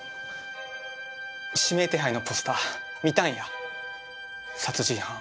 指名手配のポスター見たんや殺人犯